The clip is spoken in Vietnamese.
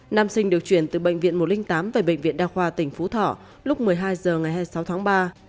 nam sinh được chuyển từ bệnh viện một trăm linh tám về bệnh viện đa khoa tỉnh phú thọ lúc một mươi hai h ngày hai mươi sáu tháng ba